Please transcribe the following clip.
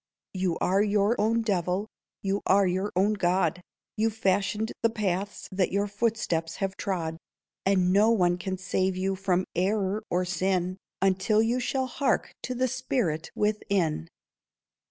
You are your own devil, you are your own God, You fashioned the paths that your footsteps have trod, And no one can save you from error or sin, Until you shall hark to the Spirit within.